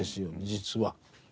実は。